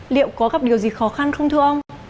liệu có gặp điều gì khó khăn không thưa ông